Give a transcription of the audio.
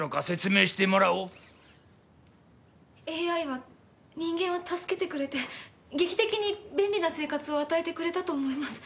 ＡＩは人間を助けてくれて劇的に便利な生活を与えてくれたと思います。